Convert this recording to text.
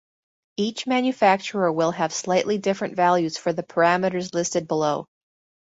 Each manufacturer will have slightly different values for the parameters listed below.